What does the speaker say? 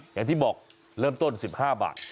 อย่างที่บอกเริ่มต้น๑๕บาท